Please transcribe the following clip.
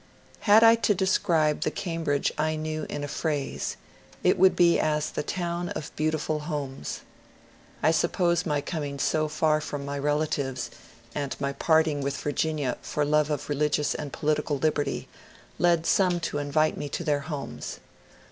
Had I to describe the Cambridge I knew in a phrase, it would be as the Town of Beautiful Homes. I suppose my coming so far from my relatives, and my parting with Virginia for love of religious and political liberty, led some to invite me to their homes.